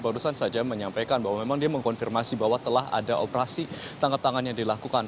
barusan saja menyampaikan bahwa memang dia mengkonfirmasi bahwa telah ada operasi tangkap tangan yang dilakukan